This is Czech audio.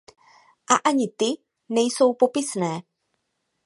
A ani ty nejsou popisné.